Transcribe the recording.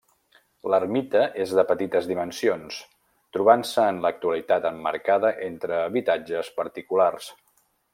L'ermita és de petites dimensions, trobant-se en l'actualitat emmarcada entre habitatges particulars.